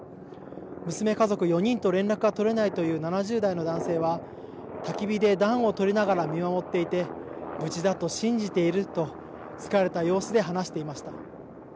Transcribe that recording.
娘家族４人と連絡が取れないという７０代の男性はたき火で暖を取りながら見守っていて無事だと信じていると疲れた様子で話していました。